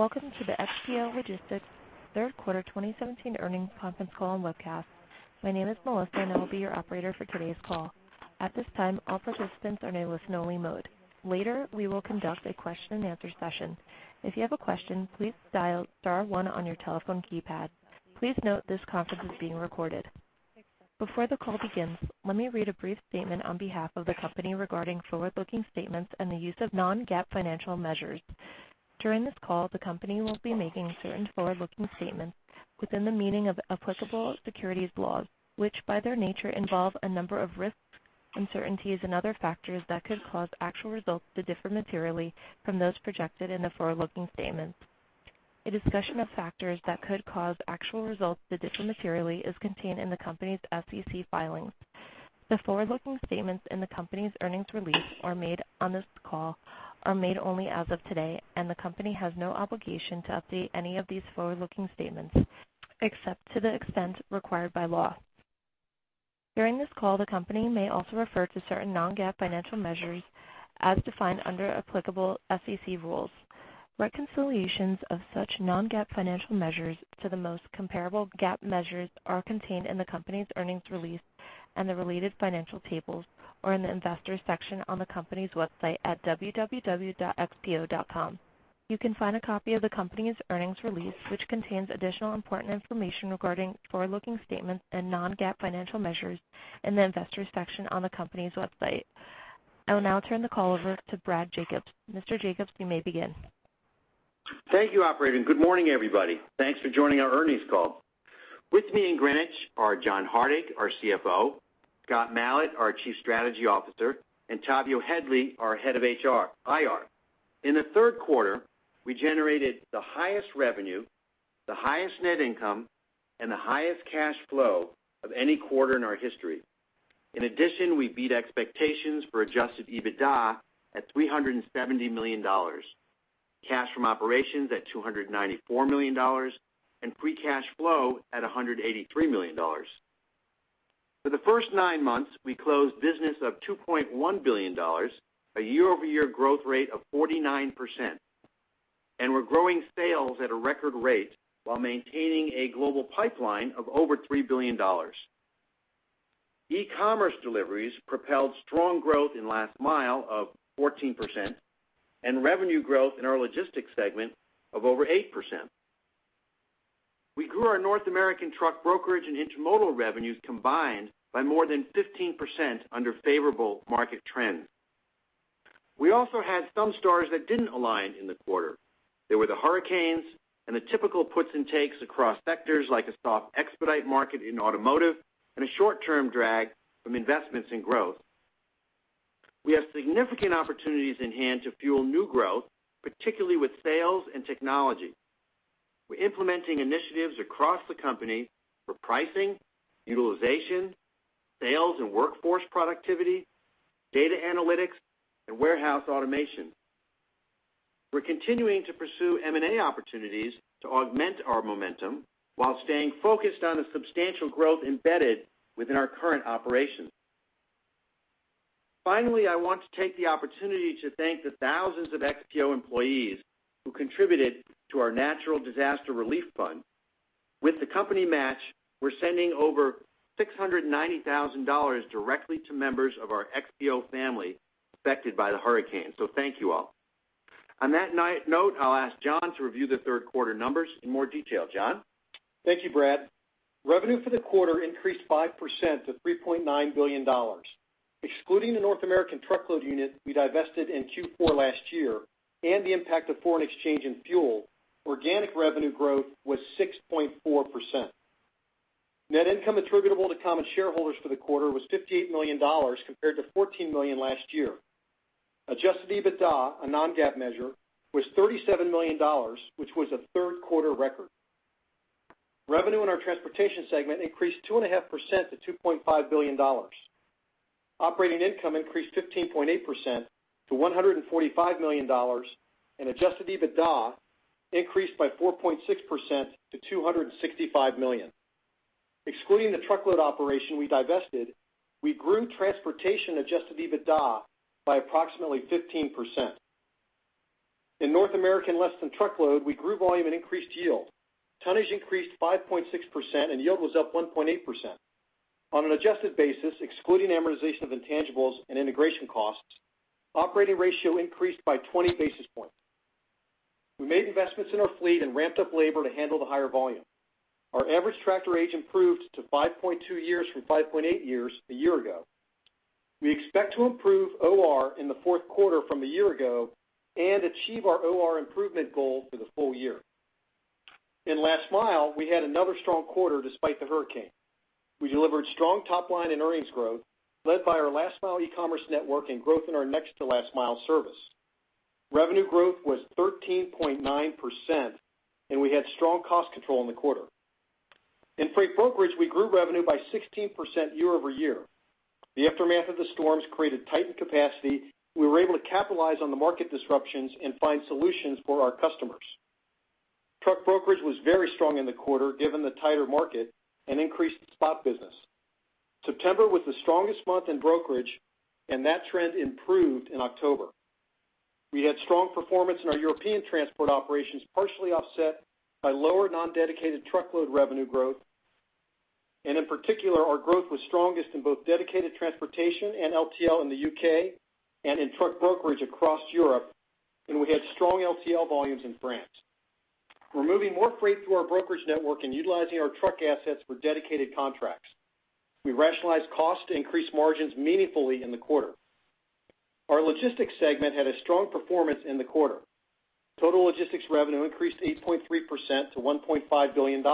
Welcome to the XPO Logistics Third Quarter 2017 Earnings Conference Call and Webcast. My name is Melissa, and I will be your operator for today's call. At this time, all participants are in a listen-only mode. Later, we will conduct a question-and-answer session. If you have a question, please dial star one on your telephone keypad. Please note, this conference is being recorded. Before the call begins, let me read a brief statement on behalf of the company regarding forward-looking statements and the use of non-GAAP financial measures. During this call, the company will be making certain forward-looking statements within the meaning of applicable securities laws, which, by their nature, involve a number of risks, uncertainties, and other factors that could cause actual results to differ materially from those projected in the forward-looking statements. A discussion of factors that could cause actual results to differ materially is contained in the company's SEC filings. The forward-looking statements in the company's earnings release are made on this call, are made only as of today, and the company has no obligation to update any of these forward-looking statements, except to the extent required by law. During this call, the company may also refer to certain non-GAAP financial measures as defined under applicable SEC rules. Reconciliations of such non-GAAP financial measures to the most comparable GAAP measures are contained in the company's earnings release and the related financial tables, or in the Investors section on the company's website at www.xpo.com. You can find a copy of the company's earnings release, which contains additional important information regarding forward-looking statements and non-GAAP financial measures in the Investors section on the company's website. I will now turn the call over to Brad Jacobs. Mr. Jacobs, you may begin. Thank you, operator, and good morning, everybody. Thanks for joining our earnings call. With me in Greenwich are John Hardig, our CFO, Scott Malat, our Chief Strategy Officer, and Tavio Headley, our Head of IR. In the third quarter, we generated the highest revenue, the highest net income, and the highest cash flow of any quarter in our history. In addition, we beat expectations for adjusted EBITDA at $370 million, cash from operations at $294 million, and free cash flow at $183 million. For the first nine months, we closed business of $2.1 billion, a year-over-year growth rate of 49%, and we're growing sales at a record rate while maintaining a global pipeline of over $3 billion. E-commerce deliveries propelled strong growth in last mile of 14% and revenue growth in our logistics segment of over 8%. We grew our North American truck brokerage and intermodal revenues combined by more than 15% under favorable market trends. We also had some stars that didn't align in the quarter. There were the hurricanes and the typical puts and takes across sectors like a soft expedite market in automotive and a short-term drag from investments in growth. We have significant opportunities in hand to fuel new growth, particularly with sales and technology. We're implementing initiatives across the company for pricing, utilization, sales and workforce productivity, data analytics, and warehouse automation. We're continuing to pursue M&A opportunities to augment our momentum while staying focused on the substantial growth embedded within our current operations. Finally, I want to take the opportunity to thank the thousands of XPO employees who contributed to our Natural Disaster Relief Fund. With the company match, we're sending over $690 thousand directly to members of our XPO family affected by the hurricane. So thank you all. On that note, I'll ask John to review the third quarter numbers in more detail. John? Thank you, Brad. Revenue for the quarter increased 5% to $3.9 billion. Excluding the North American truckload unit we divested in Q4 last year and the impact of foreign exchange and fuel, organic revenue growth was 6.4%. Net income attributable to common shareholders for the quarter was $58 million, compared to $14 million last year. Adjusted EBITDA, a non-GAAP measure, was $37 million, which was a third quarter record. Revenue in our transportation segment increased 2.5% to $2.5 billion. Operating income increased 15.8% to $145 million, and adjusted EBITDA increased by 4.6% to $265 million. Excluding the truckload operation we divested, we grew transportation adjusted EBITDA by approximately 15%. In North American less-than-truckload, we grew volume and increased yield. Tonnage increased 5.6% and yield was up 1.8%. On an adjusted basis, excluding amortization of intangibles and integration costs, operating ratio increased by 20 basis points. We made investments in our fleet and ramped up labor to handle the higher volume. Our average tractor age improved to 5.2 years from 5.8 years a year ago. We expect to improve OR in the fourth quarter from a year ago and achieve our OR improvement goal for the full year. In last-mile, we had another strong quarter despite the hurricane. We delivered strong top line and earnings growth, led by our last-mile e-commerce network and growth in our next-to-last-mile service. Revenue growth was 13.9%, and we had strong cost control in the quarter. In freight brokerage, we grew revenue by 16% year-over-year. The aftermath of the storms created tightened capacity. We were able to capitalize on the market disruptions and find solutions for our customers. Truck brokerage was very strong in the quarter, given the tighter market and increased spot business. September was the strongest month in brokerage, and that trend improved in October. We had strong performance in our European transport operations, partially offset by lower non-dedicated truckload revenue growth. And in particular, our growth was strongest in both dedicated transportation and LTL in the U.K. and in truck brokerage across Europe, and we had strong LTL volumes in France. We're moving more freight through our brokerage network and utilizing our truck assets for dedicated contracts. We rationalized costs to increase margins meaningfully in the quarter. Our logistics segment had a strong performance in the quarter. Total logistics revenue increased 8.3% to $1.5 billion.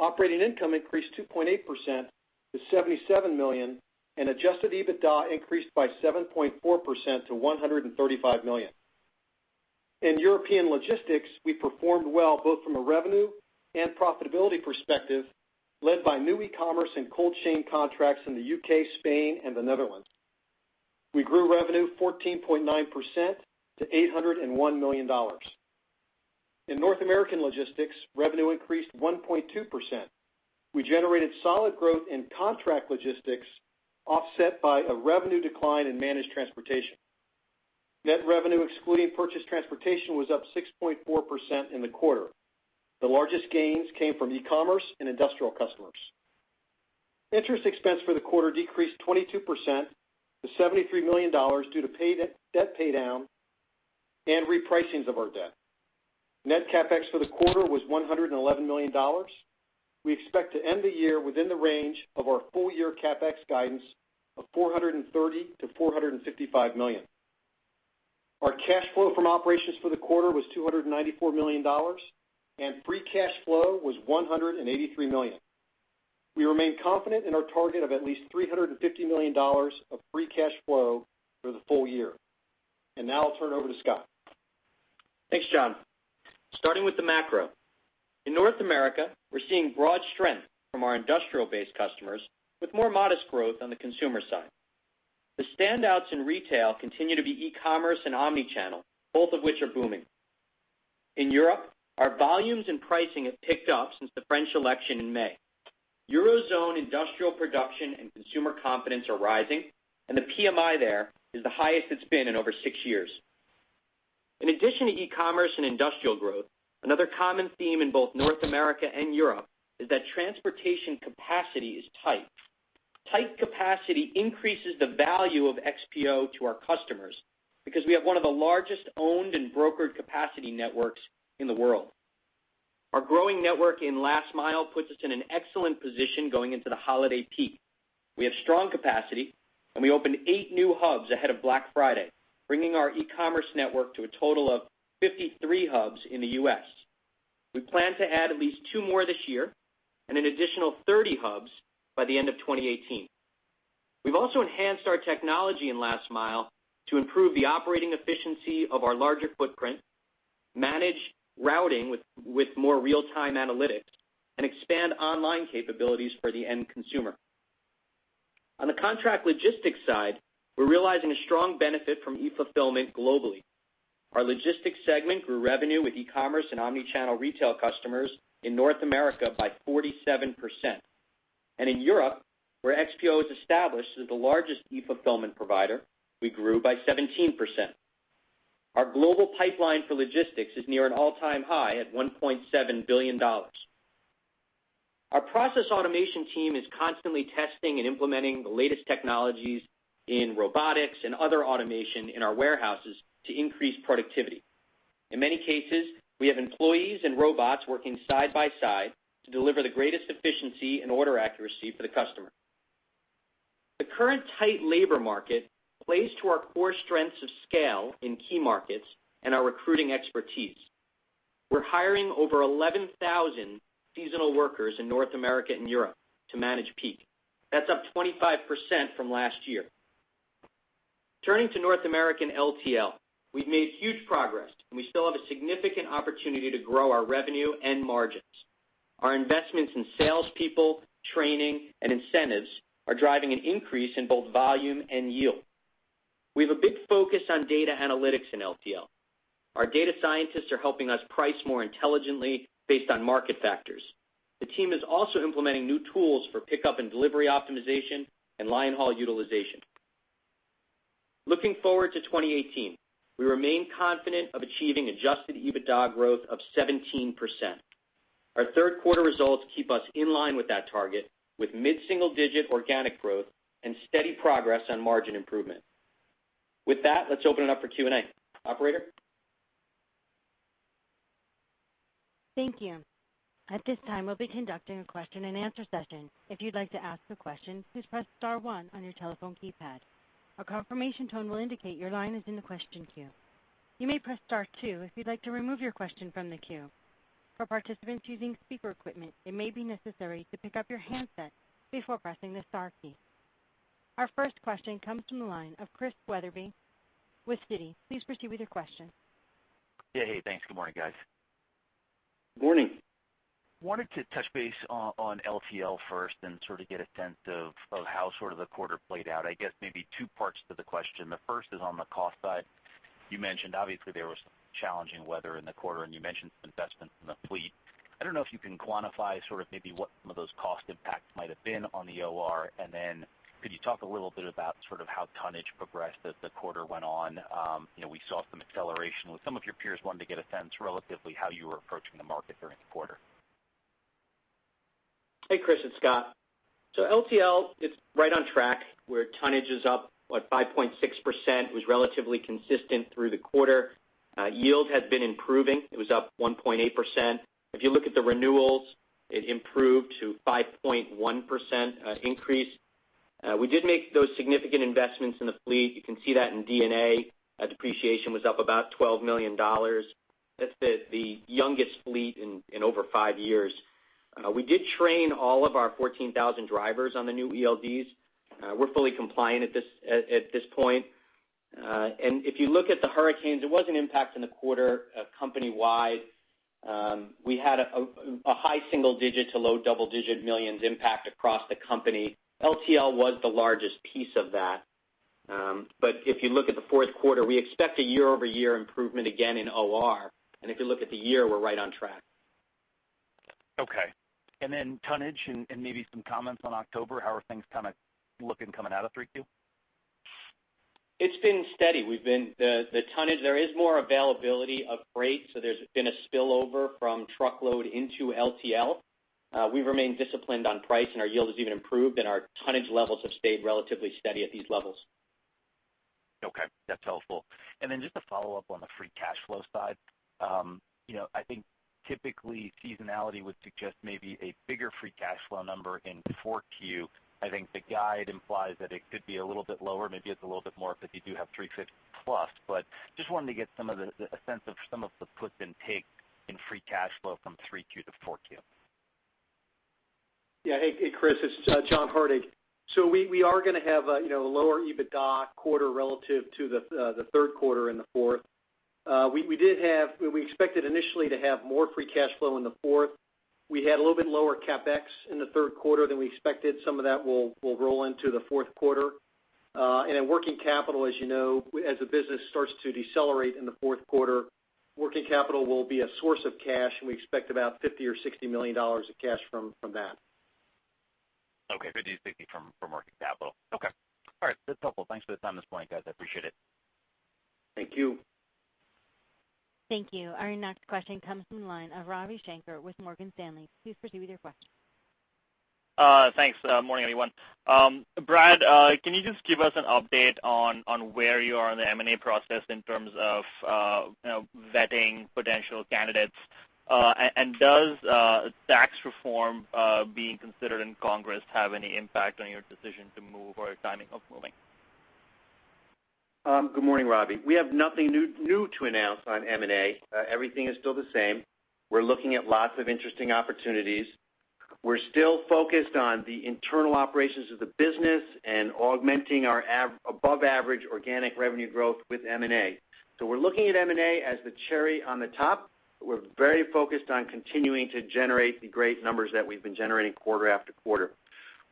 Operating income increased 2.8% to $77 million, and adjusted EBITDA increased by 7.4% to $135 million. In European logistics, we performed well, both from a revenue and profitability perspective, led by new e-commerce and cold chain contracts in the UK, Spain, and the Netherlands. We grew revenue 14.9% to $801 million. In North American logistics, revenue increased 1.2%. We generated solid growth in contract logistics, offset by a revenue decline in managed transportation. Net revenue, excluding purchase transportation, was up 6.4% in the quarter. The largest gains came from e-commerce and industrial customers. Interest expense for the quarter decreased 22% to $73 million due to paydown of debt and repricings of our debt. Net CapEx for the quarter was $111 million. We expect to end the year within the range of our full-year CapEx guidance of $430 million-$455 million. Our cash flow from operations for the quarter was $294 million, and free cash flow was $183 million. We remain confident in our target of at least $350 million of free cash flow for the full year. Now I'll turn it over to Scott. Thanks, John. Starting with the macro. In North America, we're seeing broad strength from our industrial-based customers, with more modest growth on the consumer side. The standouts in retail continue to be e-commerce and omnichannel, both of which are booming. In Europe, our volumes and pricing have picked up since the French election in May. Eurozone industrial production and consumer confidence are rising, and the PMI there is the highest it's been in over six years. In addition to e-commerce and industrial growth, another common theme in both North America and Europe is that transportation capacity is tight. Tight capacity increases the value of XPO to our customers because we have one of the largest owned and brokered capacity networks in the world. Our growing network in last mile puts us in an excellent position going into the holiday peak. We have strong capacity, and we opened eight new hubs ahead of Black Friday, bringing our e-commerce network to a total of 53 hubs in the U.S. We plan to add at least two more this year and an additional 30 hubs by the end of 2018. We've also enhanced our technology in last mile to improve the operating efficiency of our larger footprint, manage routing with more real-time analytics, and expand online capabilities for the end consumer. On the contract logistics side, we're realizing a strong benefit from e-fulfillment globally. Our logistics segment grew revenue with e-commerce and omnichannel retail customers in North America by 47%. In Europe, where XPO is established as the largest e-fulfillment provider, we grew by 17%. Our global pipeline for logistics is near an all-time high at $1.7 billion. Our process automation team is constantly testing and implementing the latest technologies in robotics and other automation in our warehouses to increase productivity. In many cases, we have employees and robots working side by side to deliver the greatest efficiency and order accuracy for the customer. The current tight labor market plays to our core strengths of scale in key markets and our recruiting expertise. We're hiring over 11,000 seasonal workers in North America and Europe to manage peak. That's up 25% from last year. Turning to North American LTL, we've made huge progress, and we still have a significant opportunity to grow our revenue and margins. Our investments in salespeople, training, and incentives are driving an increase in both volume and yield. We have a big focus on data analytics in LTL. Our data scientists are helping us price more intelligently based on market factors. The team is also implementing new tools for pickup and delivery optimization and line-haul utilization. Looking forward to 2018, we remain confident of achieving adjusted EBITDA growth of 17%. Our third quarter results keep us in line with that target, with mid-single-digit organic growth and steady progress on margin improvement. With that, let's open it up for Q&A. Operator? Thank you. At this time, we'll be conducting a question-and-answer session. If you'd like to ask a question, please press star one on your telephone keypad. A confirmation tone will indicate your line is in the question queue. You may press star two if you'd like to remove your question from the queue. For participants using speaker equipment, it may be necessary to pick up your handset before pressing the star key. Our first question comes from the line of Chris Wetherbee with Citi. Please proceed with your question. Yeah, hey, thanks. Good morning, guys. Good morning! Wanted to touch base on LTL first and sort of get a sense of how sort of the quarter played out. I guess maybe two parts to the question. The first is on the cost side. You mentioned obviously there was some challenging weather in the quarter, and you mentioned investment in the fleet. I don't know if you can quantify sort of maybe what some of those cost impacts might have been on the OR. And then could you talk a little bit about sort of how tonnage progressed as the quarter went on? You know, we saw some acceleration with some of your peers. Wanted to get a sense relatively, how you were approaching the market during the quarter. Hey, Chris, it's Scott. So LTL, it's right on track, where tonnage is up, what, 5.6%. It was relatively consistent through the quarter. Yield has been improving. It was up 1.8%. If you look at the renewals, it improved to 5.1% increase. We did make those significant investments in the fleet. You can see that in D&A. Depreciation was up about $12 million. That's the youngest fleet in over five years. We did train all of our 14,000 drivers on the new ELDs. We're fully compliant at this point. And if you look at the hurricanes, it was an impact in the quarter, company-wide. We had a high single-digit to low double-digit millions impact across the company. LTL was the largest piece of that. But if you look at the fourth quarter, we expect a year-over-year improvement again in OR, and if you look at the year, we're right on track. Okay. And then tonnage and maybe some comments on October. How are things kind of looking coming out of 3Q? It's been steady. We've been the tonnage, there is more availability of freight, so there's been a spillover from truckload into LTL. We remain disciplined on price, and our yield has even improved, and our tonnage levels have stayed relatively steady at these levels. Okay, that's helpful. And then just a follow-up on the free cash flow side. You know, I think typically seasonality would suggest maybe a bigger free cash flow number in 4Q. I think the guide implies that it could be a little bit lower. Maybe it's a little bit more, but you do have $350+. But just wanted to get some of the, a sense of some of the puts and takes in free cash flow from 3Q to 4Q. Yeah. Hey, hey, Chris, it's John Hardig. So we are gonna have a, you know, a lower EBITDA quarter relative to the third quarter and the fourth. We did have, we expected initially to have more free cash flow in the fourth. We had a little bit lower CapEx in the third quarter than we expected. Some of that will roll into the fourth quarter. And in working capital, as you know, as the business starts to decelerate in the fourth quarter, working capital will be a source of cash, and we expect about $50 million-$60 million of cash from that. Okay, 50, 60 from working capital. Okay. All right, that's helpful. Thanks for the time this morning, guys. I appreciate it. Thank you. Thank you. Our next question comes from the line of Ravi Shanker with Morgan Stanley. Please proceed with your question. Thanks. Morning, everyone. Brad, can you just give us an update on where you are in the M&A process in terms of, you know, vetting potential candidates? And does tax reform being considered in Congress have any impact on your decision to move or your timing of moving? Good morning, Ravi. We have nothing new to announce on M&A. Everything is still the same. We're looking at lots of interesting opportunities. We're still focused on the internal operations of the business and augmenting our above average organic revenue growth with M&A. So we're looking at M&A as the cherry on the top. We're very focused on continuing to generate the great numbers that we've been generating quarter after quarter.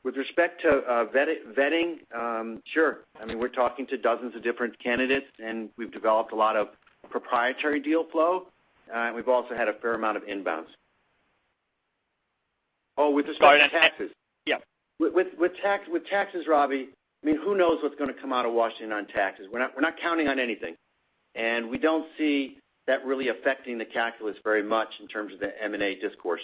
With respect to vetting, sure. I mean, we're talking to dozens of different candidates, and we've developed a lot of proprietary deal flow, and we've also had a fair amount of inbounds. Oh, with respect to taxes? Yeah. With taxes, Ravi, I mean, who knows what's gonna come out of Washington on taxes? We're not counting on anything, and we don't see that really affecting the calculus very much in terms of the M&A discourse.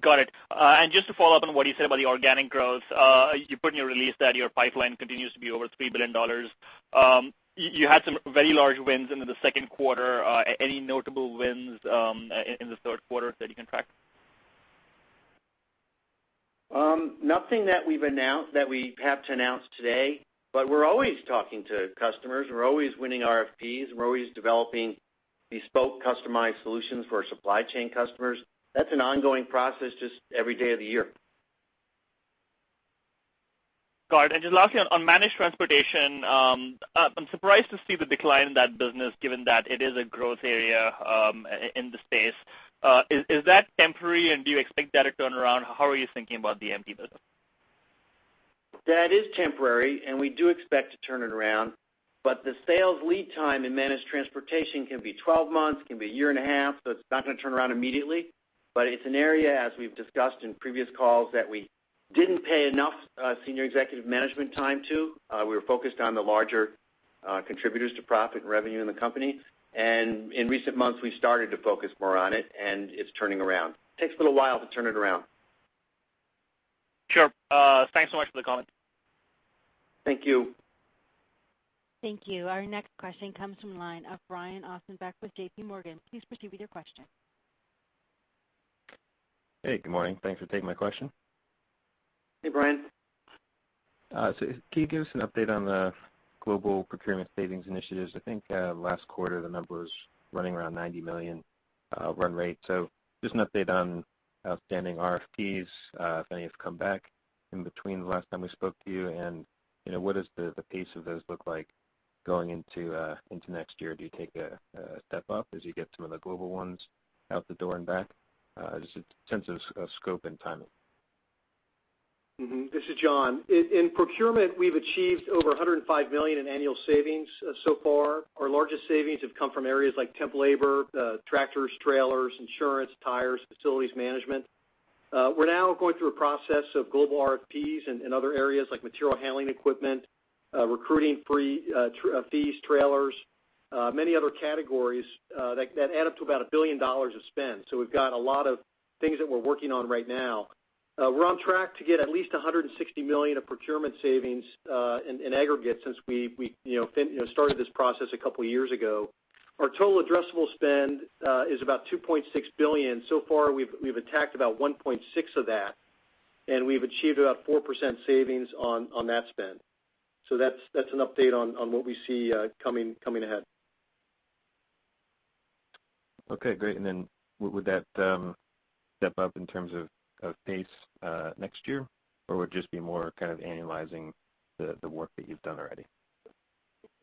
Got it. And just to follow up on what you said about the organic growth, you put in your release that your pipeline continues to be over $3 billion. You had some very large wins into the second quarter. Any notable wins in the third quarter that you can track? Nothing that we've announced, that we have to announce today, but we're always talking to customers. We're always winning RFPs, and we're always developing bespoke, customized solutions for our supply chain customers. That's an ongoing process, just every day of the year. Got it. And just lastly, on managed transportation, I'm surprised to see the decline in that business, given that it is a growth area in the space. Is that temporary, and do you expect that to turn around? How are you thinking about the MT business? That is temporary, and we do expect to turn it around, but the sales lead time in managed transportation can be 12 months, can be a year and a half, so it's not going to turn around immediately. But it's an area, as we've discussed in previous calls, that we didn't pay enough senior executive management time to. We were focused on the larger contributors to profit and revenue in the company, and in recent months, we've started to focus more on it, and it's turning around. Takes a little while to turn it around. Sure. Thanks so much for the comment. Thank you. Thank you. Our next question comes from line of Brian Ossenbeck with J.P. Morgan. Please proceed with your question. Hey, good morning. Thanks for taking my question. Hey, Brian. So can you give us an update on the global procurement savings initiatives? I think, last quarter, the number was running around $90 million run rate. So just an update on outstanding RFPs, if any, have come back in between the last time we spoke to you, and, you know, what does the pace of those look like? Going into next year, do you take a step up as you get some of the global ones out the door and back? Just a sense of scope and timing. This is John. In procurement, we've achieved over $105 million in annual savings so far. Our largest savings have come from areas like temp labor, tractors, trailers, insurance, tires, facilities management. We're now going through a process of global RFPs in other areas like material handling equipment, recruiting fees, trailers, many other categories that add up to about $1 billion of spend. So we've got a lot of things that we're working on right now. We're on track to get at least $160 million of procurement savings in aggregate since we, you know, started this process a couple of years ago. Our total addressable spend is about $2.6 billion. So far, we've attacked about 1.6 of that, and we've achieved about 4% savings on that spend. So that's an update on what we see coming ahead. Okay, great. And then would that step up in terms of pace next year, or would it just be more kind of annualizing the work that you've done already?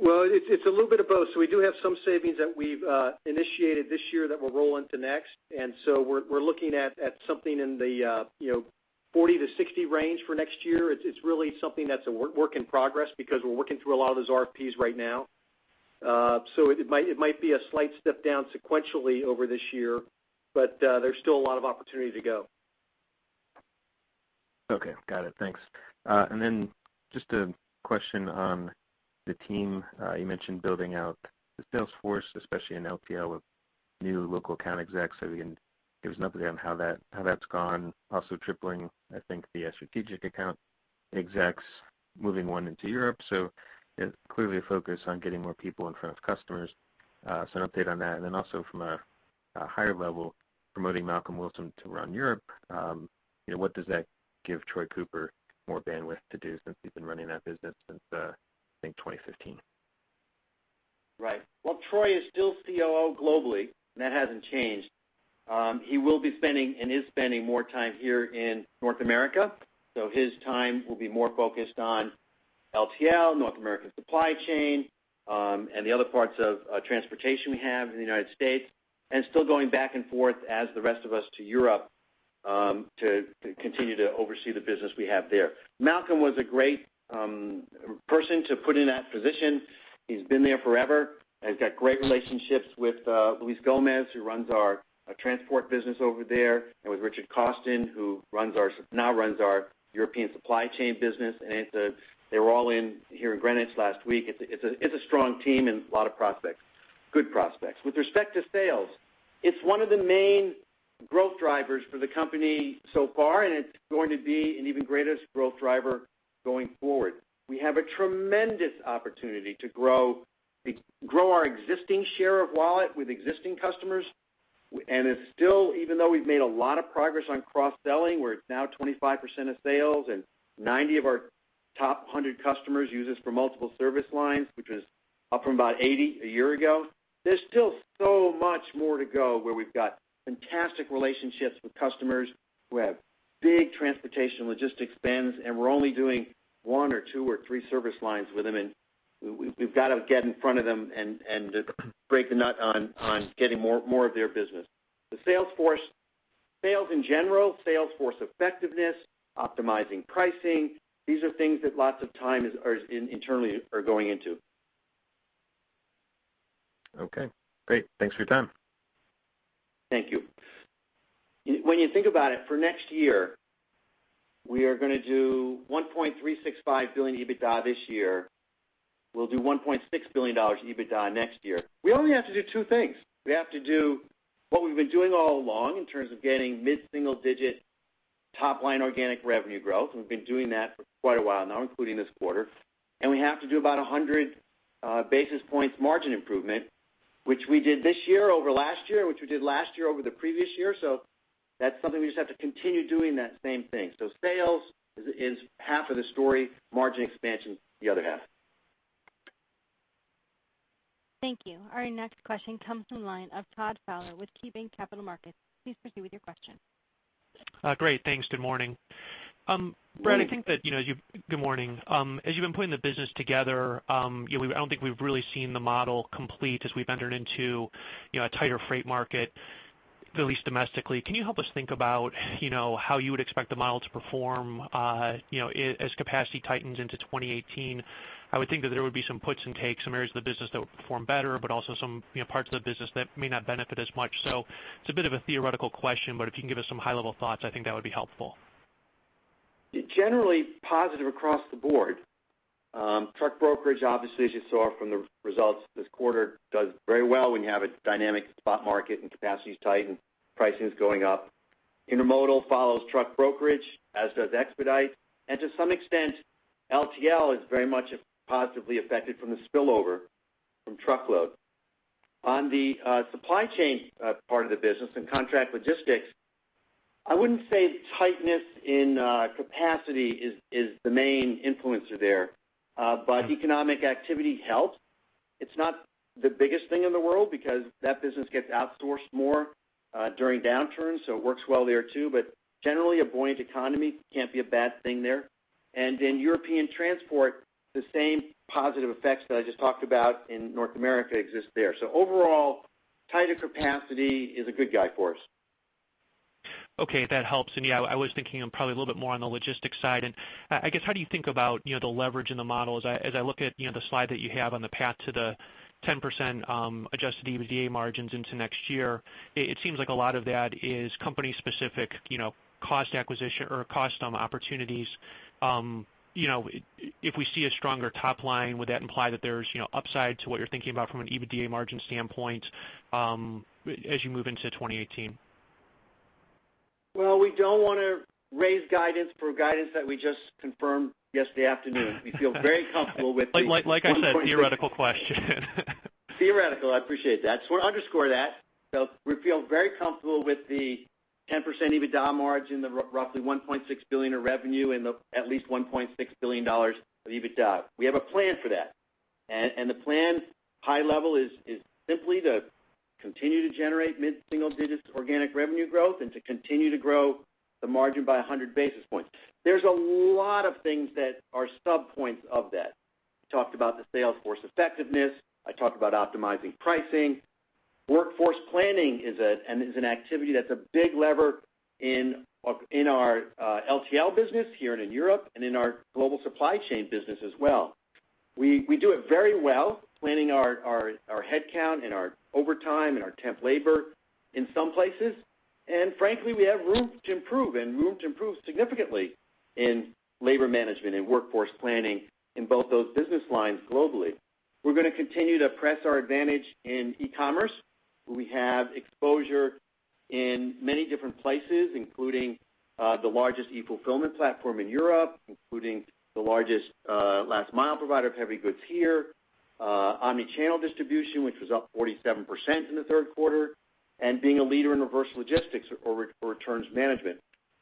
Well, it's a little bit of both. So we do have some savings that we've initiated this year that will roll into next. And so we're looking at something in the, you know, 40-60 range for next year. It's really something that's a work in progress because we're working through a lot of those RFPs right now. So it might be a slight step down sequentially over this year, but there's still a lot of opportunity to go. Okay, got it. Thanks. And then just a question on the team. You mentioned building out the sales force, especially in LTL, with new local account execs, so if you can give us an update on how that, how that's gone. Also tripling, I think, the strategic account execs, moving one into Europe. So clearly a focus on getting more people in front of customers. So an update on that. And then also from a higher level, promoting Malcolm Wilson to run Europe, you know, what does that give Troy Cooper more bandwidth to do since he's been running that business since, I think 2015? Right. Well, Troy is still COO globally, and that hasn't changed. He will be spending and is spending more time here in North America, so his time will be more focused on LTL, North American supply chain, and the other parts of transportation we have in the United States, and still going back and forth as the rest of us to Europe, to continue to oversee the business we have there. Malcolm was a great person to put in that position. He's been there forever, and he's got great relationships with Luis Gomez, who runs our transport business over there, and with Richard Cawston, who now runs our European supply chain business, and it's a strong team and a lot of prospects, good prospects. They were all in here in Greenwich last week. With respect to sales, it's one of the main growth drivers for the company so far, and it's going to be an even greater growth driver going forward. We have a tremendous opportunity to grow our existing share of wallet with existing customers, and it's still, even though we've made a lot of progress on cross-selling, where it's now 25% of sales and 90 of our top 100 customers use us for multiple service lines, which is up from about 80 a year ago, there's still so much more to go where we've got fantastic relationships with customers who have big transportation logistics spends, and we're only doing one or two or three service lines with them, and we've got to get in front of them and break the nut on getting more of their business. The sales force, sales in general, sales force effectiveness, optimizing pricing, these are things that lots of time are internally going into. Okay, great. Thanks for your time. Thank you. When you think about it, for next year, we are going to do $1.365 billion EBITDA this year. We'll do $1.6 billion EBITDA next year. We only have to do two things. We have to do what we've been doing all along in terms of getting mid-single digit top-line organic revenue growth, and we've been doing that for quite a while now, including this quarter. And we have to do about 100 basis points margin improvement, which we did this year over last year, and which we did last year over the previous year. So that's something we just have to continue doing that same thing. So sales is half of the story, margin expansion, the other half. Thank you. Our next question comes from the line of Todd Fowler with KeyBanc Capital Markets. Please proceed with your question. Great, thanks. Good morning. Brad, I think that, you know, good morning, as you've been putting the business together, you know, I don't think we've really seen the model complete as we've entered into, you know, a tighter freight market, at least domestically. Can you help us think about, you know, how you would expect the model to perform, you know, as capacity tightens into 2018? I would think that there would be some puts and takes, some areas of the business that would perform better, but also some, you know, parts of the business that may not benefit as much. So it's a bit of a theoretical question, but if you can give us some high-level thoughts, I think that would be helpful. Generally positive across the board. Truck brokerage, obviously, as you saw from the results this quarter, does very well when you have a dynamic spot market and capacity is tight and pricing is going up. Intermodal follows truck brokerage, as does expedite, and to some extent, LTL is very much positively affected from the spillover from truckload. On the supply chain part of the business and contract logistics, I wouldn't say tightness in capacity is the main influencer there, but economic activity helps. It's not the biggest thing in the world because that business gets outsourced more during downturns, so it works well there, too. But generally, a buoyant economy can't be a bad thing there. In European transport, the same positive effects that I just talked about in North America exist there. Overall, tighter capacity is a good guy for us. Okay, that helps. Yeah, I was thinking probably a little bit more on the logistics side. I guess, how do you think about, you know, the leverage in the model? As I look at, you know, the slide that you have on the path to the 10% Adjusted EBITDA margins into next year, it seems like a lot of that is company-specific, you know, cost acquisition or cost opportunities. You know, if we see a stronger top line, would that imply that there's, you know, upside to what you're thinking about from an EBITDA margin standpoint, as you move into 2018? Well, we don't want to raise guidance for guidance that we just confirmed yesterday afternoon. We feel very comfortable with- Like, like I said, theoretical question. Theoretical, I appreciate that. So we'll underscore that. So we feel very comfortable with the 10% EBITDA margin, the roughly $1.6 billion of revenue, and the at least $1.6 billion of EBITDA. We have a plan for that. And the plan's high level is simply to continue to generate mid-single-digit organic revenue growth and to continue to grow the margin by 100 basis points. There's a lot of things that are sub-points of that. Talked about the sales force effectiveness. I talked about optimizing pricing. Workforce planning is an activity that's a big lever in our LTL business here and in Europe and in our global supply chain business as well. We do it very well, planning our headcount and our overtime and our temp labor in some places, and frankly, we have room to improve and room to improve significantly in labor management and workforce planning in both those business lines globally. We're gonna continue to press our advantage in e-commerce, where we have exposure in many different places, including the largest e-fulfillment platform in Europe, including the largest last mile provider of heavy goods here, omni-channel distribution, which was up 47% in the third quarter, and being a leader in reverse logistics or returns management.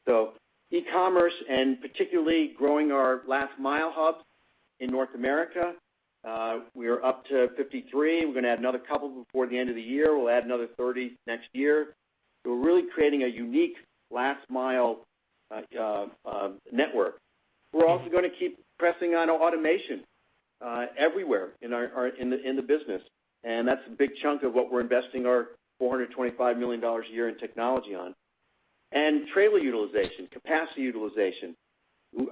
So e-commerce, and particularly growing our last mile hub in North America, we are up to 53. We're gonna add another couple before the end of the year. We'll add another 30 next year. So we're really creating a unique last mile network. We're also gonna keep pressing on automation everywhere in our business, and that's a big chunk of what we're investing our $425 million a year in technology on. And trailer utilization, capacity utilization.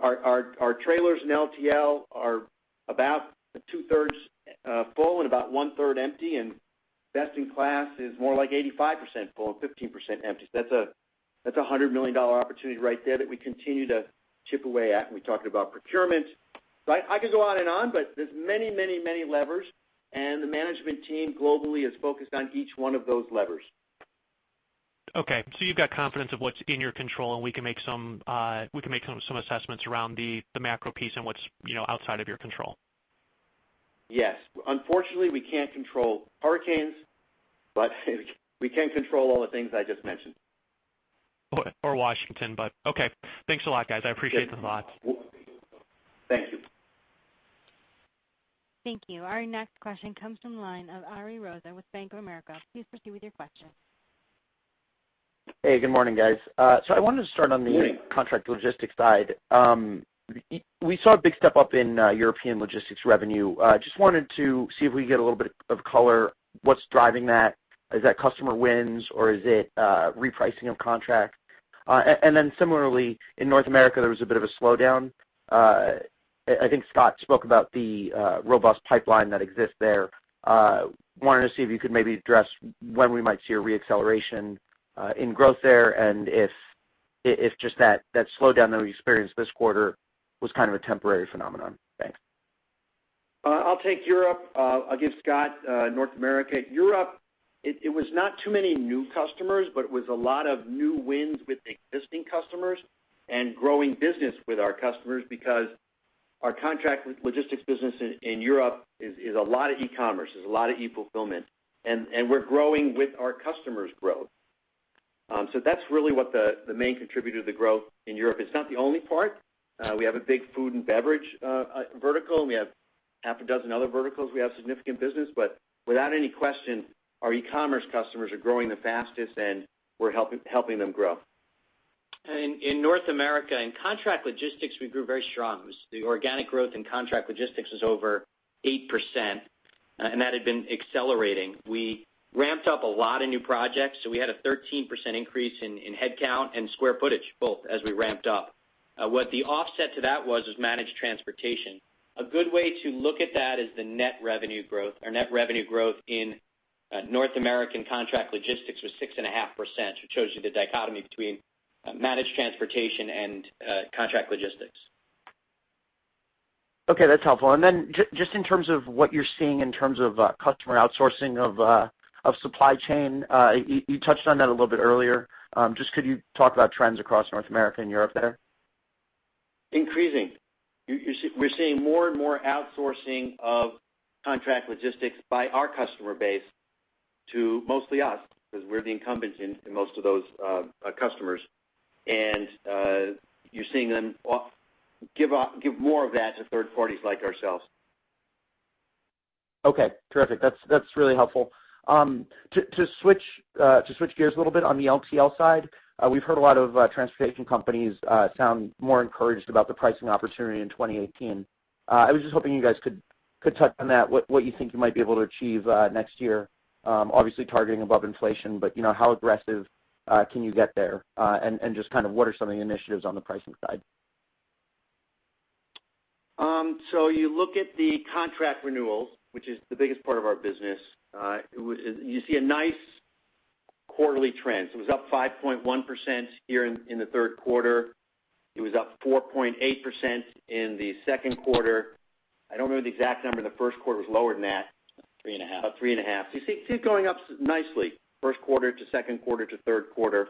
Our trailers in LTL are about two-thirds full and about one-third empty, and best in class is more like 85% full and 15% empty. So that's a hundred million dollar opportunity right there that we continue to chip away at. And we talked about procurement. So I could go on and on, but there's many, many, many levers, and the management team globally is focused on each one of those levers. Okay, so you've got confidence of what's in your control, and we can make some assessments around the macro piece and what's, you know, outside of your control? Yes. Unfortunately, we can't control hurricanes, but we can control all the things I just mentioned. Or Washington, but okay. Thanks a lot, guys. I appreciate the thoughts. Thank you. Thank you. Our next question comes from the line of Ari Rosa with Bank of America. Please proceed with your question. Hey, good morning, guys. So I wanted to start on the- Good morning contract logistics side. We saw a big step up in European logistics revenue. Just wanted to see if we could get a little bit of color. What's driving that? Is that customer wins, or is it repricing of contract? And then similarly, in North America, there was a bit of a slowdown. I think Scott spoke about the robust pipeline that exists there. Wanted to see if you could maybe address when we might see a re-acceleration in growth there and if just that slowdown that we experienced this quarter was kind of a temporary phenomenon. Thanks. I'll take Europe, I'll give Scott, North America. Europe, it was not too many new customers, but it was a lot of new wins with existing customers and growing business with our customers because our contract logistics business in Europe is a lot of e-commerce. There's a lot of e-fulfillment, and we're growing with our customers' growth. So that's really what the main contributor to the growth in Europe. It's not the only part. We have a big food and beverage vertical, and we have half a dozen other verticals we have significant business, but without any question, our e-commerce customers are growing the fastest, and we're helping them grow. In North America, in contract logistics, we grew very strong. It was the organic growth in contract logistics was over 8%, and that had been accelerating. We ramped up a lot of new projects, so we had a 13% increase in headcount and square footage both, as we ramped up. What the offset to that was managed transportation. A good way to look at that is the net revenue growth. Our net revenue growth in North American contract logistics was 6.5%, which shows you the dichotomy between managed transportation and contract logistics. Okay, that's helpful. And then just in terms of what you're seeing in terms of customer outsourcing of supply chain, you touched on that a little bit earlier. Just, could you talk about trends across North America and Europe there? Increasing. You see-- we're seeing more and more outsourcing of contract logistics by our customer base to mostly us, because we're the incumbents in most of those customers. And you're seeing them give up more of that to third parties like ourselves. Okay, terrific. That's, that's really helpful. To, to switch, to switch gears a little bit on the LTL side, we've heard a lot of, transportation companies, sound more encouraged about the pricing opportunity in 2018. I was just hoping you guys could, could touch on that, what, what you think you might be able to achieve, next year? Obviously targeting above inflation, but, you know, how aggressive, can you get there? And, and just kind of what are some of the initiatives on the pricing side? So you look at the contract renewals, which is the biggest part of our business. You see a nice quarterly trend. So it was up 5.1% here in the third quarter. It was up 4.8% in the second quarter. I don't remember the exact number in the first quarter. It was lower than that. 3.5. About 3.5. So you see it going up nicely, first quarter to second quarter to third quarter.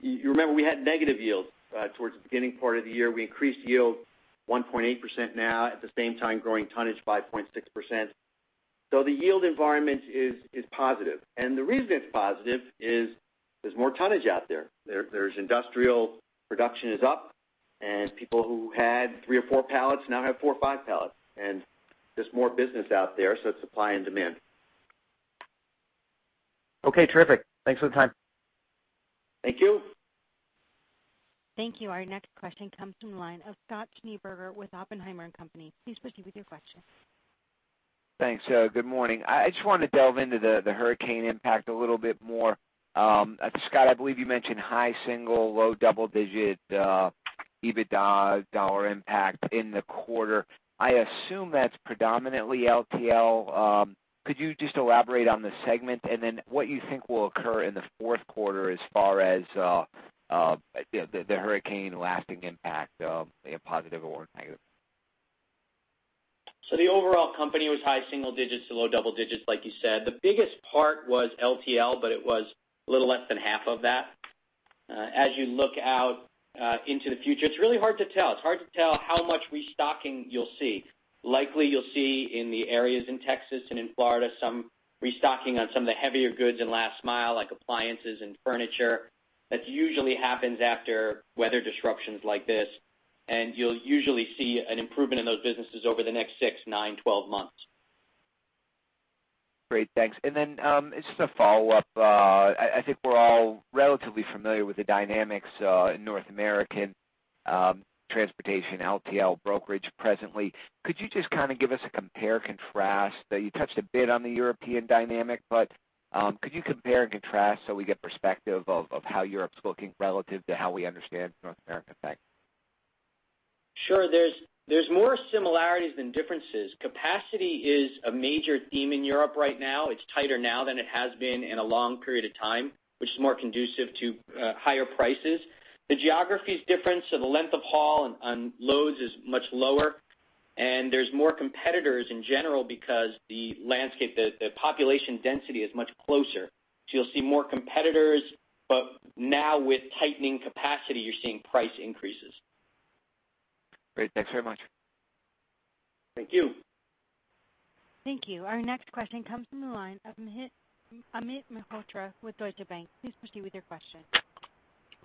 You remember we had negative yields towards the beginning part of the year. We increased yield 1.8% now, at the same time, growing tonnage 5.6%. So the yield environment is positive, and the reason it's positive is there's more tonnage out there. There's industrial production is up, and people who had 3 or 4 pallets now have 4 or 5 pallets, and there's more business out there, so it's supply and demand. Okay, terrific. Thanks for the time. Thank you. Thank you. Our next question comes from the line of Scott Schneeberger with Oppenheimer and Company. Please proceed with your question. Thanks. Good morning. I just want to delve into the hurricane impact a little bit more. Scott, I believe you mentioned high single, low double-digit EBITDA dollar impact in the quarter. I assume that's predominantly LTL. Could you just elaborate on the segment, and then what you think will occur in the fourth quarter as far as the hurricane lasting impact, be it positive or negative? So the overall company was high single digits to low double digits, like you said. The biggest part was LTL, but it was a little less than half of that. As you look out into the future, it's really hard to tell. It's hard to tell how much restocking you'll see. Likely, you'll see in the areas in Texas and in Florida, some restocking on some of the heavier goods in last mile, like appliances and furniture. That usually happens after weather disruptions like this, and you'll usually see an improvement in those businesses over the next 6, 9, 12 months. Great, thanks. And then, just a follow-up. I think we're all relatively familiar with the dynamics in North America transportation, LTL brokerage presently. Could you just kind of give us a compare, contrast? That you touched a bit on the European dynamic, but could you compare and contrast so we get perspective of how Europe's looking relative to how we understand North America impact? Sure. There's more similarities than differences. Capacity is a major theme in Europe right now. It's tighter now than it has been in a long period of time, which is more conducive to higher prices. The geography is different, so the length of haul on loads is much lower, and there's more competitors in general because the landscape, the population density is much closer. So you'll see more competitors, but now with tightening capacity, you're seeing price increases. Great. Thanks very much. Thank you. Thank you. Our next question comes from the line of Amit Mehrotra with Deutsche Bank. Please proceed with your question.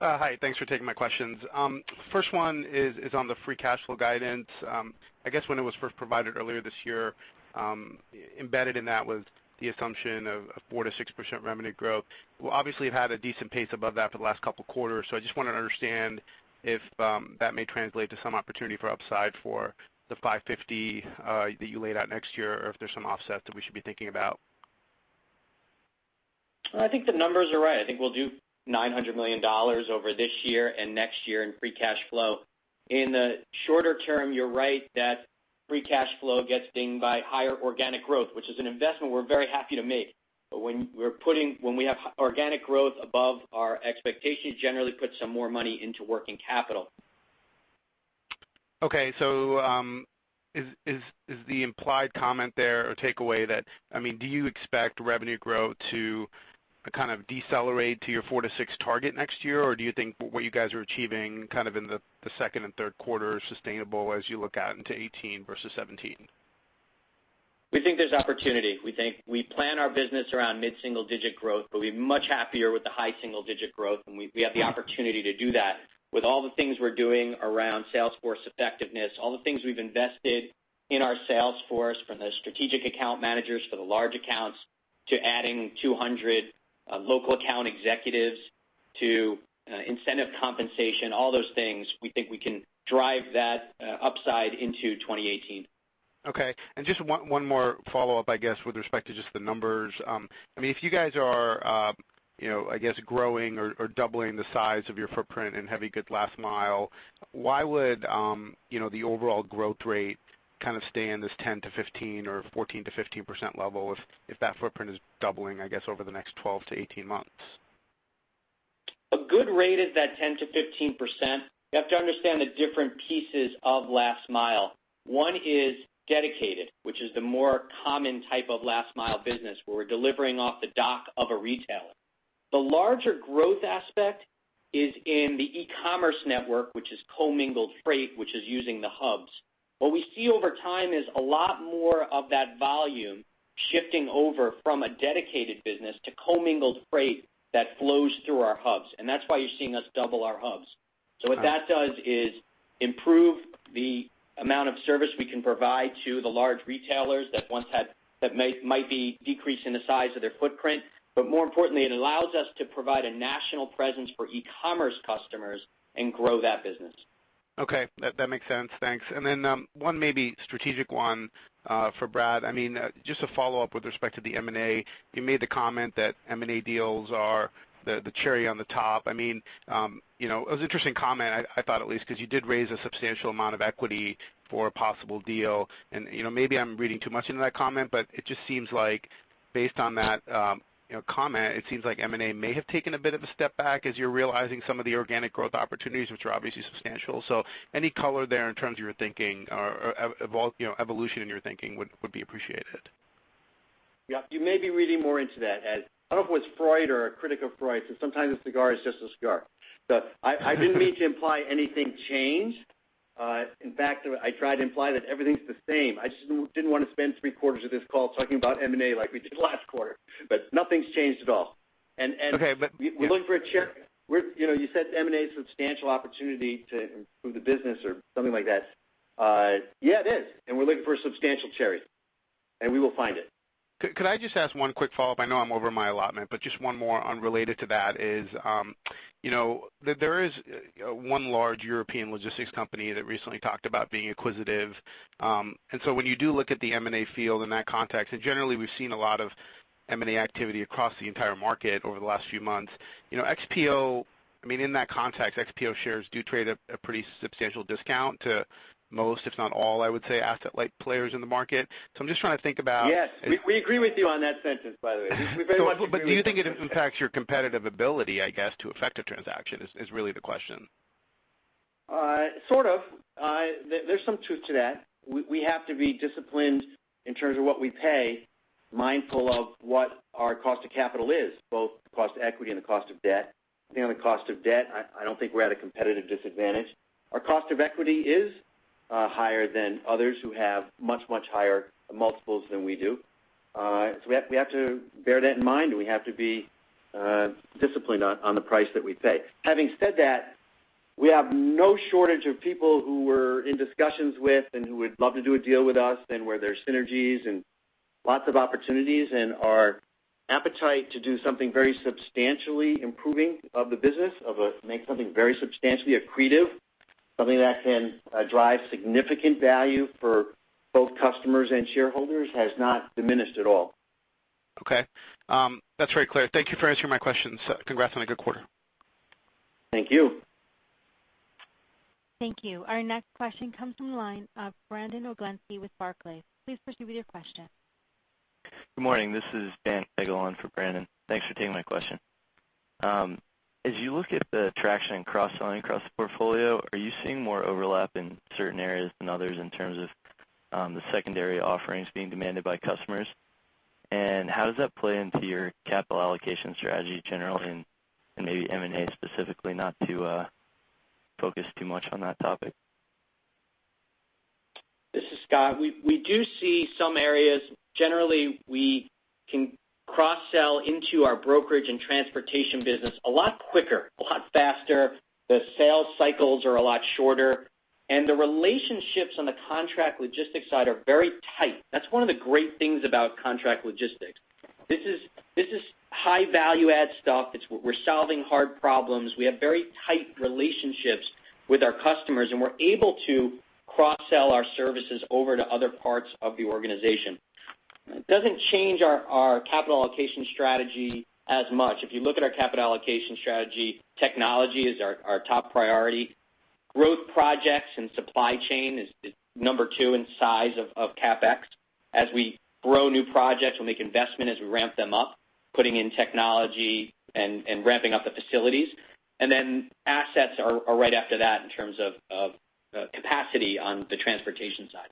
Hi, thanks for taking my questions. First one is on the free cash flow guidance. I guess when it was first provided earlier this year, embedded in that was the assumption of a 4%-6% revenue growth. Well, obviously, you've had a decent pace above that for the last couple quarters, so I just wanted to understand if that may translate to some opportunity for upside for the $550 that you laid out next year, or if there's some offset that we should be thinking about. I think the numbers are right. I think we'll do $900 million over this year and next year in free cash flow. In the shorter term, you're right that free cash flow gets dinged by higher organic growth, which is an investment we're very happy to make. But when we have organic growth above our expectations, generally put some more money into working capital. Okay, so, is the implied comment there or takeaway that, I mean, do you expect revenue growth to kind of decelerate to your 4-6 target next year? Or do you think what you guys are achieving kind of in the second and third quarter is sustainable as you look out into 2018 versus 2017? We think there's opportunity. We think we plan our business around mid-single-digit growth, but we're much happier with the high single-digit growth, and we, we have the opportunity to do that. With all the things we're doing around sales force effectiveness, all the things we've invested in our sales force, from the strategic account managers for the large accounts, to adding 200 local account executives, to incentive compensation, all those things, we think we can drive that upside into 2018. Okay. And just one more follow-up, I guess, with respect to just the numbers. I mean, if you guys are, you know, I guess, growing or doubling the size of your footprint in heavy goods last mile, why would, you know, the overall growth rate kind of stay in this 10%-15% or 14%-15% level if that footprint is doubling, I guess, over the next 12-18 months? A good rate is that 10%-15%. You have to understand the different pieces of last mile. One is dedicated, which is the more common type of last mile business, where we're delivering off the dock of a retailer. The larger growth aspect is in the e-commerce network, which is commingled freight, which is using the hubs. What we see over time is a lot more of that volume shifting over from a dedicated business to commingled freight that flows through our hubs, and that's why you're seeing us double our hubs. So what that does is improve the amount of service we can provide to the large retailers that may, might be decreasing the size of their footprint. But more importantly, it allows us to provide a national presence for e-commerce customers and grow that business. Okay, that makes sense. Thanks. And then one maybe strategic one for Brad. I mean, just to follow up with respect to the M&A, you made the comment that M&A deals are the cherry on the top. I mean, you know, it was an interesting comment, I thought, at least, because you did raise a substantial amount of equity for a possible deal. And, you know, maybe I'm reading too much into that comment, but it just seems like based on that, you know, comment, it seems like M&A may have taken a bit of a step back as you're realizing some of the organic growth opportunities, which are obviously substantial. So any color there in terms of your thinking or evolution in your thinking would be appreciated. Yeah, you may be reading more into that, Ed. I don't know if it's Freud or a critic of Freud, but sometimes a cigar is just a cigar. So I didn't mean to imply anything changed. In fact, I tried to imply that everything's the same. I just didn't want to spend three quarters of this call talking about M&A like we did last quarter. But nothing's changed at all. And Okay, but- We're looking for a cherry. We're, you know, you said M&A is a substantial opportunity to improve the business or something like that. Yeah, it is, and we're looking for a substantial cherry, and we will find it. Could I just ask one quick follow-up? I know I'm over my allotment, but just one more unrelated to that is, you know, there, there is one large European logistics company that recently talked about being acquisitive. And so when you do look at the M&A field in that context, and generally, we've seen a lot of M&A activity across the entire market over the last few months. You know, XPO, I mean, in that context, XPO shares do trade at a pretty substantial discount to most, if not all, I would say, asset-light players in the market. So I'm just trying to think about- Yes, we agree with you on that sentence, by the way. We very much agree with you. So do you think it impacts your competitive ability, I guess, to effect a transaction, is really the question? Sort of. There's some truth to that. We have to be disciplined in terms of what we pay, mindful of what our cost of capital is, both the cost of equity and the cost of debt. Depending on the cost of debt, I don't think we're at a competitive disadvantage. Our cost of equity is higher than others who have much, much higher multiples than we do. So we have to bear that in mind, and we have to be disciplined on the price that we pay. Having said that, we have no shortage of people who we're in discussions with and who would love to do a deal with us, and where there are synergies and lots of opportunities, and our appetite to do something very substantially improving of the business, of a make something very substantially accretive, something that can, drive significant value for both customers and shareholders, has not diminished at all. Okay. That's very clear. Thank you for answering my questions. Congrats on a good quarter. Thank you. Thank you. Our next question comes from the line of Brandon Oglenski with Barclays. Please proceed with your question. Good morning. This is Dan Tagel on for Brandon. Thanks for taking my question. As you look at the traction in cross-selling across the portfolio, are you seeing more overlap in certain areas than others in terms of the secondary offerings being demanded by customers? And how does that play into your capital allocation strategy generally, and maybe M&A specifically, not to focus too much on that topic? This is Scott. We do see some areas. Generally, we can cross-sell into our brokerage and transportation business a lot quicker, a lot faster. The sales cycles are a lot shorter, and the relationships on the contract logistics side are very tight. That's one of the great things about contract logistics. This is high value-add stuff. It's we're solving hard problems. We have very tight relationships with our customers, and we're able to cross-sell our services over to other parts of the organization. It doesn't change our capital allocation strategy as much. If you look at our capital allocation strategy, technology is our top priority. Growth projects and supply chain is number two in size of CapEx. As we grow new projects, we'll make investment as we ramp them up, putting in technology and ramping up the facilities. And then assets are right after that in terms of capacity on the transportation side.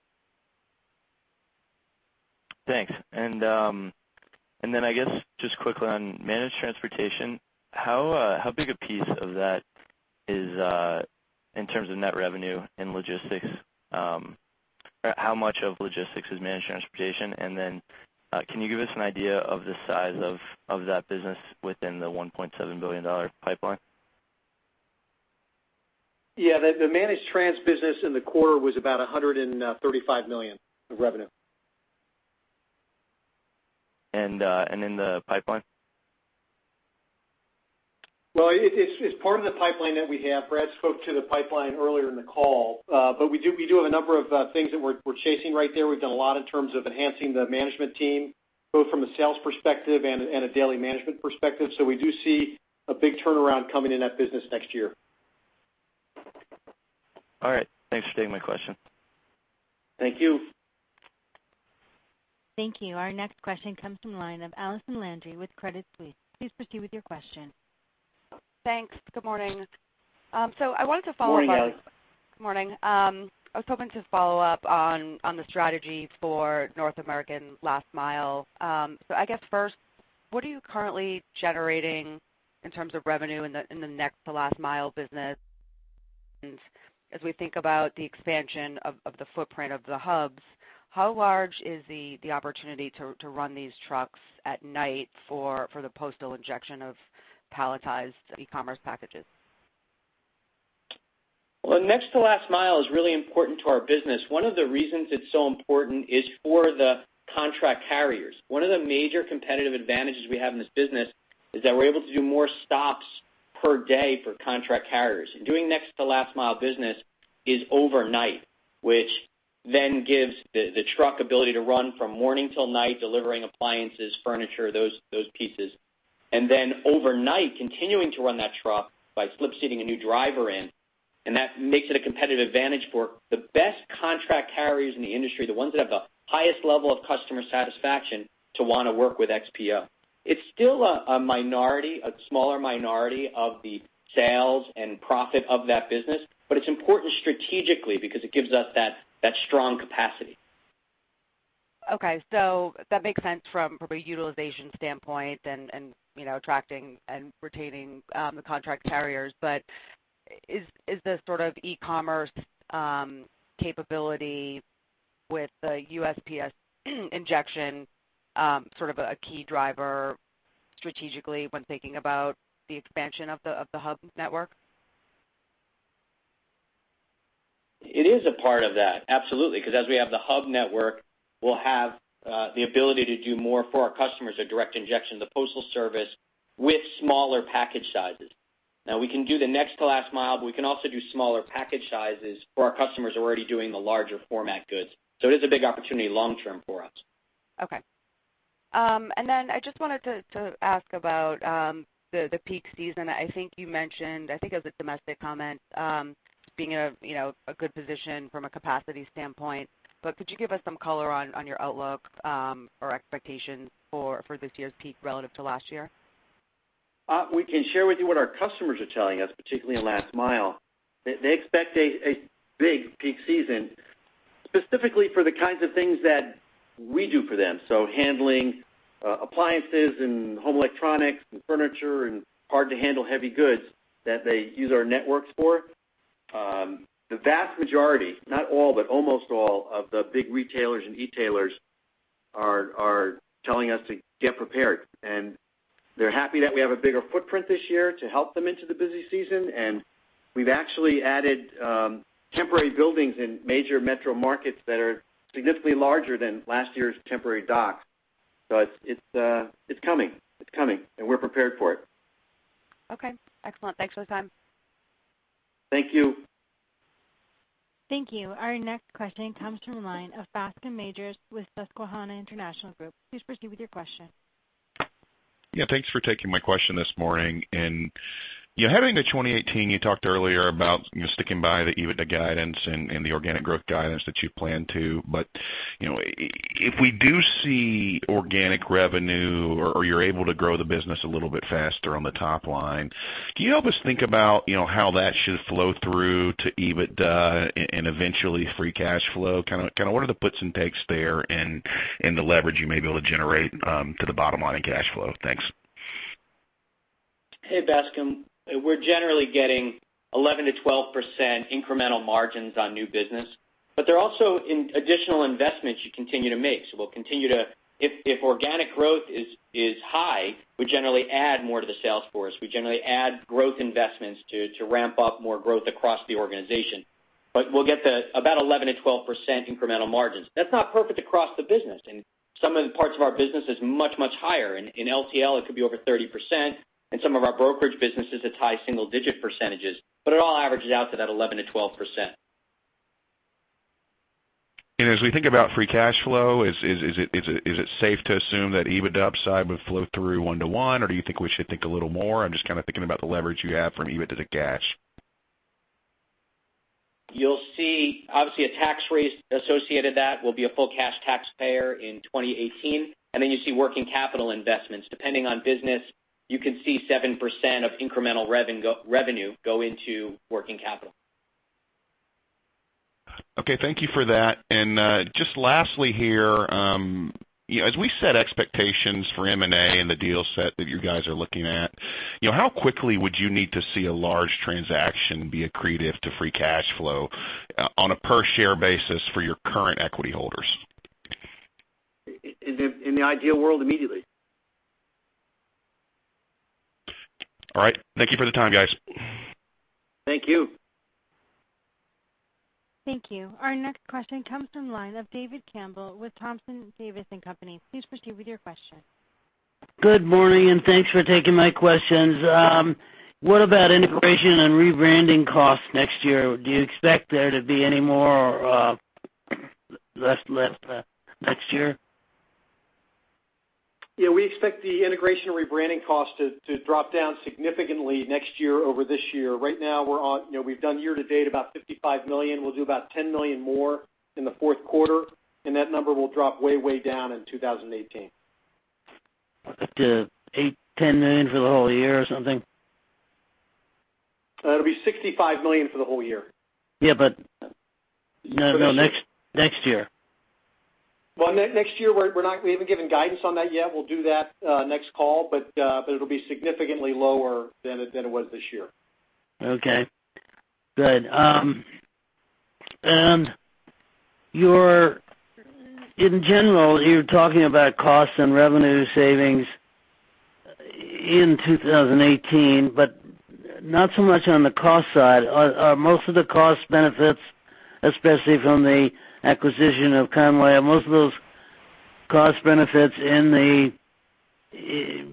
Thanks. And then I guess, just quickly on managed transportation, how big a piece of that is in terms of net revenue in logistics? How much of logistics is managed transportation? Can you give us an idea of the size of that business within the $1.7 billion pipeline? Yeah, the managed trans business in the quarter was about $135 million in revenue. And, and in the pipeline? Well, it's part of the pipeline that we have. Brad spoke to the pipeline earlier in the call. But we have a number of things that we're chasing right there. We've done a lot in terms of enhancing the management team, both from a sales perspective and a daily management perspective, so we do see a big turnaround coming in that business next year. All right. Thanks for taking my question. Thank you. Thank you. Our next question comes from the line of Allison Landry with Credit Suisse. Please proceed with your question. Thanks. Good morning. So I wanted to follow up on- Good morning, Allison. Good morning. I was hoping to follow up on, on the strategy for North American last mile. So I guess first, what are you currently generating in terms of revenue in the, in the next to last mile business? And as we think about the expansion of the footprint of the hubs, how large is the opportunity to run these trucks at night for the postal injection of palletized e-commerce packages? Well, next to last mile is really important to our business. One of the reasons it's so important is for the contract carriers. One of the major competitive advantages we have in this business is that we're able to do more stops per day for contract carriers. And doing next to last mile business is overnight, which then gives the, the truck ability to run from morning till night, delivering appliances, furniture, those, those pieces. And then overnight, continuing to run that truck by slip seating a new driver in, and that makes it a competitive advantage for the best contract carriers in the industry, the ones that have the highest level of customer satisfaction to want to work with XPO. It's still a, a minority, a smaller minority of the sales and profit of that business, but it's important strategically because it gives us that, that strong capacity. Okay, so that makes sense from probably a utilization standpoint and you know, attracting and retaining the contract carriers. But is the sort of e-commerce capability with the USPS injection sort of a key driver strategically when thinking about the expansion of the hub network? It is a part of that, absolutely, because as we have the hub network, we'll have the ability to do more for our customers, a direct injection, the Postal Service, with smaller package sizes. Now, we can do the next to last mile, but we can also do smaller package sizes for our customers who are already doing the larger format goods. So it is a big opportunity long term for us. Okay. And then I just wanted to ask about the peak season. I think you mentioned, I think it was a domestic comment, being in, you know, a good position from a capacity standpoint. But could you give us some color on your outlook or expectations for this year's peak relative to last year? We can share with you what our customers are telling us, particularly in last mile. They expect a big peak season, specifically for the kinds of things that we do for them. So handling appliances and home electronics and furniture and hard to handle heavy goods that they use our networks for. The vast majority, not all, but almost all of the big retailers and e-tailers are telling us to get prepared, and they're happy that we have a bigger footprint this year to help them into the busy season. And we've actually added temporary buildings in major metro markets that are significantly larger than last year's temporary docks. So it's coming. It's coming, and we're prepared for it. Okay, excellent. Thanks for the time. Thank you. Thank you. Our next question comes from the line of Bascome Majors with Susquehanna International Group. Please proceed with your question. Yeah, thanks for taking my question this morning. You know, heading to 2018, you talked earlier about, you know, sticking by the EBITDA guidance and the organic growth guidance that you plan to. But, you know, if we do see organic revenue or you're able to grow the business a little bit faster on the top line, can you help us think about, you know, how that should flow through to EBITDA and eventually free cash flow? Kind of, what are the puts and takes there and the leverage you may be able to generate to the bottom line in cash flow? Thanks. Hey, Bascome. We're generally getting 11%-12% incremental margins on new business, but they're also in additional investments you continue to make. So we'll continue to, if, if organic growth is, is high, we generally add more to the sales force. We generally add growth investments to, to ramp up more growth across the organization. But we'll get the about 11%-12% incremental margins. That's not perfect across the business, and some of the parts of our business is much, much higher. In, in LTL, it could be over 30%, and some of our brokerage businesses, it's high single digit percentages, but it all averages out to that 11%-12%. As we think about free cash flow, is it safe to assume that EBITDA upside would flow through 1-to-1, or do you think we should think a little more? I'm just kind of thinking about the leverage you have from EBITDA to cash. You'll see, obviously, a tax raise associated. That will be a full cash taxpayer in 2018, and then you see working capital investments. Depending on business, you can see 7% of incremental revenue go into working capital. Okay, thank you for that. And just lastly here, you know, as we set expectations for M&A and the deal set that you guys are looking at, you know, how quickly would you need to see a large transaction be accretive to free cash flow on a per share basis for your current equity holders? In the ideal world, immediately. All right. Thank you for the time, guys. Thank you. Thank you. Our next question comes from line of David Campbell with Thompson Davis & Company. Please proceed with your question. Good morning, and thanks for taking my questions. What about integration and rebranding costs next year? Do you expect there to be any more, less next year? Yeah, we expect the integration and rebranding costs to drop down significantly next year over this year. Right now, we're on—you know, we've done year to date, about $55 million. We'll do about $10 million more in the fourth quarter, and that number will drop way, way down in 2018. Up to $8 million-$10 million for the whole year or something? It'll be $65 million for the whole year. Yeah, but, No, no, next, next year. Well, next year, we're not, we haven't given guidance on that yet. We'll do that next call, but it'll be significantly lower than it was this year. Okay, good. And you're, in general, you're talking about cost and revenue savings in 2018, but not so much on the cost side. Are most of the cost benefits, especially from the acquisition of Con-way,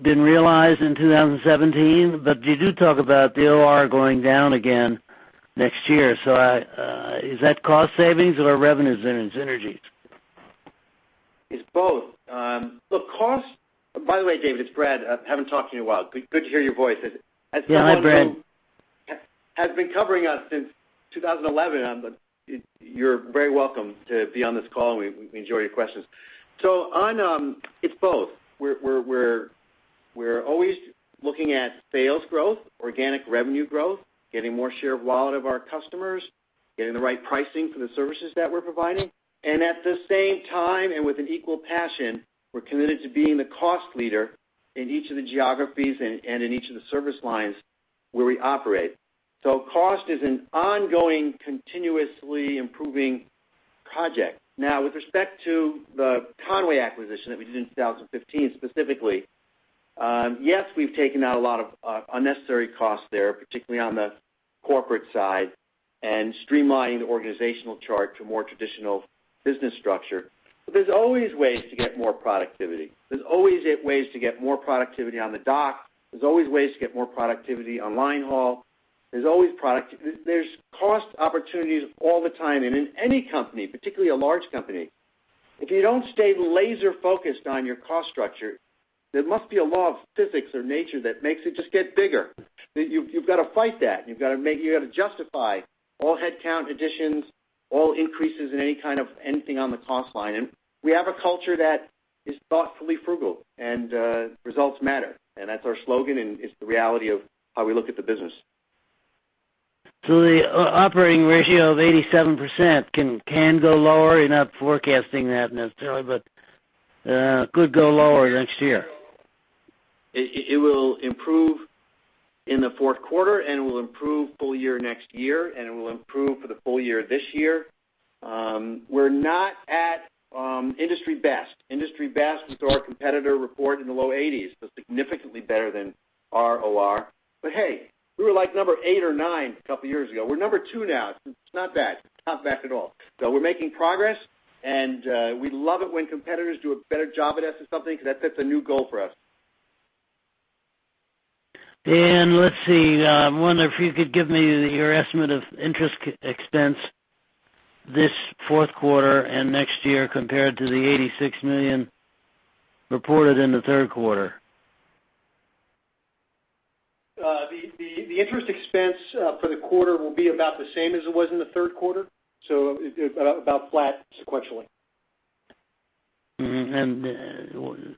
been realized in 2017? But you do talk about the OR going down again next year. So, is that cost savings or revenue synergies? It's both. Look, cost, By the way, David, it's Brad. I haven't talked to you in a while. Good, good to hear your voice. As- Yeah, hi, Brad. Have been covering us since 2011. But you're very welcome to be on this call, and we enjoy your questions. So, it's both. We're always looking at sales growth, organic revenue growth, getting more share of wallet of our customers, getting the right pricing for the services that we're providing, and at the same time, with an equal passion, we're committed to being the cost leader in each of the geographies and in each of the service lines where we operate. So cost is an ongoing, continuously improving project. Now, with respect to the Con-way acquisition that we did in 2015, specifically, yes, we've taken out a lot of unnecessary costs there, particularly on the corporate side, and streamlined the organizational chart to a more traditional business structure. But there's always ways to get more productivity. There's always ways to get more productivity on the dock. There's always ways to get more productivity on line haul. There's always cost opportunities all the time. And in any company, particularly a large company, if you don't stay laser-focused on your cost structure, there must be a law of physics or nature that makes it just get bigger. That you've got to fight that. You've got to justify all headcount additions, all increases in any kind of anything on the cost line. And we have a culture that is thoughtfully frugal, and results matter, and that's our slogan, and it's the reality of how we look at the business. So the operating ratio of 87% can go lower. You're not forecasting that necessarily, but could go lower next year? It will improve in the fourth quarter, and it will improve full year next year, and it will improve for the full year this year. We're not at industry best. Industry best is our competitor reported in the low 80s, so significantly better than our OR. But hey, we were like number eight or nine a couple of years ago. We're number two now. It's not bad. It's not bad at all. So we're making progress, and we love it when competitors do a better job at us or something, because that sets a new goal for us. Let's see, I wonder if you could give me your estimate of interest expense this fourth quarter and next year compared to the $86 million reported in the third quarter? The interest expense for the quarter will be about the same as it was in the third quarter, so about flat sequentially. Mm-hmm, and,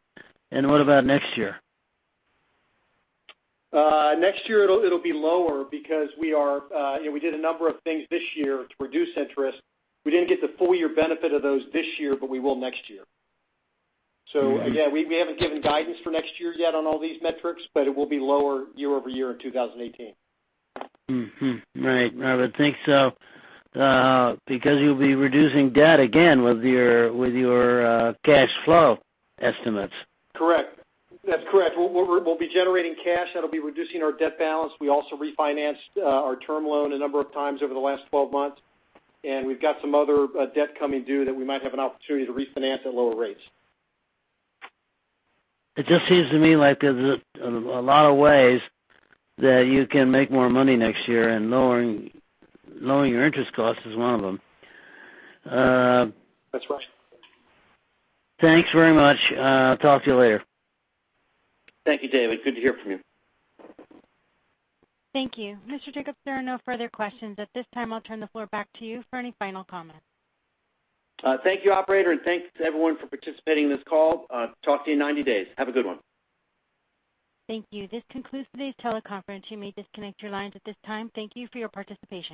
and what about next year? Next year, it'll be lower because we are, you know, we did a number of things this year to reduce interest. We didn't get the full year benefit of those this year, but we will next year. Mm-hmm. So again, we haven't given guidance for next year yet on all these metrics, but it will be lower year-over-year in 2018. Mm-hmm. Right. I would think so, because you'll be reducing debt again with your, with your, cash flow estimates. Correct. That's correct. We'll be generating cash. That'll be reducing our debt balance. We also refinanced our term loan a number of times over the last 12 months, and we've got some other debt coming due that we might have an opportunity to refinance at lower rates. It just seems to me like there's a lot of ways that you can make more money next year, and lowering your interest cost is one of them. That's right. Thanks very much. Talk to you later. Thank you, David. Good to hear from you. Thank you. Mr. Jacobs, there are no further questions. At this time, I'll turn the floor back to you for any final comments. Thank you, operator, and thanks to everyone for participating in this call. Talk to you in 90 days. Have a good one. Thank you. This concludes today's teleconference. You may disconnect your lines at this time. Thank you for your participation.